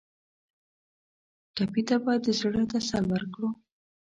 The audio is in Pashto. ټپي ته باید د زړه تسل ورکړو.